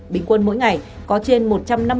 bình quân mỗi ngày có trên một trăm năm mươi